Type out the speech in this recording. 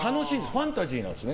ファンタジーなんです。